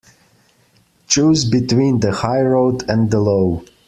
Choose between the high road and the low.